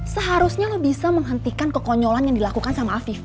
seharusnya lo bisa menghentikan kekonyolan yang dilakukan sama afif